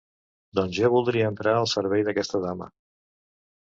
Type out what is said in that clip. Doncs jo voldria entrar al servei d'aquesta dama.